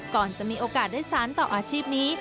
ก่อนจะมีโอกาสได้สารต่ออาชีพนี้